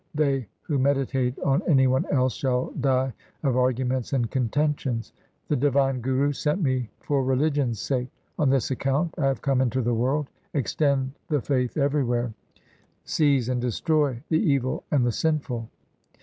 They who meditate on any one else Shall die of arguments and contentions. The divine Guru sent me for religion's sake : On this account I have come into the world —' Extend the faith everywhere ; COMPOSITIONS OF GURU GOBIND SINGH 301 Seize and destroy the evil and the sinful.'